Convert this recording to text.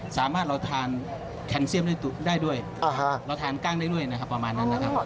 สามารถเราทานแคนเซียมได้ด้วยเราทานกล้างได้ด้วยนะครับประมาณนั้นนะครับ